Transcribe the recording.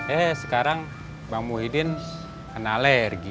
eh sekarang bang muhyiddin kena alergi